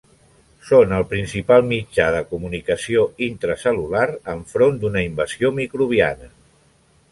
Són el principal mitjà de comunicació intracel·lular enfront d'una invasió microbiana.